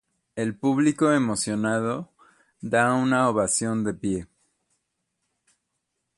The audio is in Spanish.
El público emocionado da una ovación de pie.